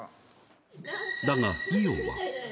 だが伊代は。